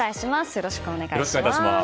よろしくお願いします。